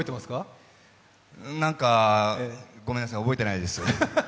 なんかごめんなさい、覚えてないです。